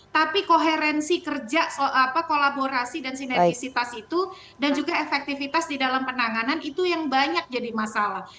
tapi koherensi kerja kolaborasi dan sinergisitas itu dan juga efektivitas di dalam penanganan itu yang banyak jadi masalah